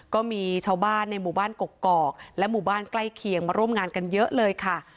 ก็มีชาวบ้านในหมู่บ้านกกอกและหมู่บ้านใกล้เคียงมาร่วมงานกันเยอะเลยค่ะ